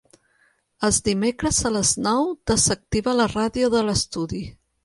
Els dimecres a les nou desactiva la ràdio de l'estudi.